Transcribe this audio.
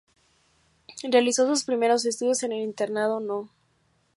Realizó sus primeros estudios en el Internado No.